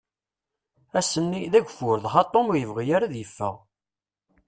Ass-nni, d agfur, dɣa Tom ur yebɣi ara ad yeffeɣ.